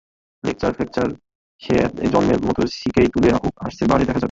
লেকচার-ফেকচার সে এ জন্মের মত সিকেয় তুলে রাখুক, আসছে বারে দেখা যাবে।